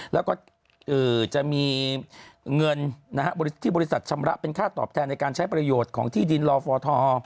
แล้วก็จะมีเงินที่บริษัทชำระเป็นค่าตอบแทนในการใช้ประโยชน์ของที่ดินรอฟท